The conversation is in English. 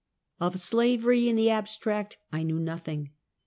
Of slavery in the abstract I knew nothing.